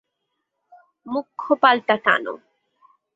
ম্যুখ্য পালটা টানো!